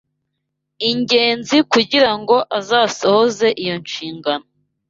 ingenzi kugira ngo azasohoze iyo nshingano